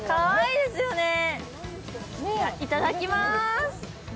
いただきまーす。